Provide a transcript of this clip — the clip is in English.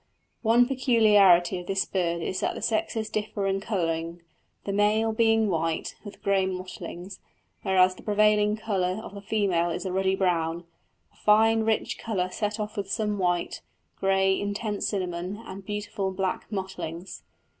One peculiarity of this bird is that the sexes differ in colouring, the male being white, with grey mottlings, whereas the prevailing colour of the female is a ruddy brown, a fine rich colour set off with some white, grey, intense cinnamon, and beautiful black mottlings.